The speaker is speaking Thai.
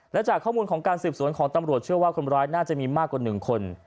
และจากข้อมูลของการสืบสวนของตำรวจเชื่อว่าคนร้ายน่าจะมีมากกว่า๑คน